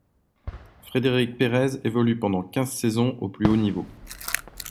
Frédéric Perez évolue pendant quinze saisons au plus haut niveau.